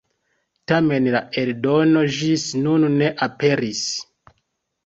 Tamen la eldono ĝis nun ne aperis.